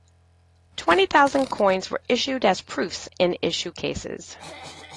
Twenty thousand coins were issued as proofs in issue cases.